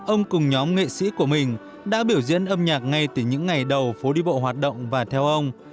ông cùng nhóm nghệ sĩ của mình đã biểu diễn âm nhạc ngay từ những ngày đầu phố đi bộ hoạt động và theo ông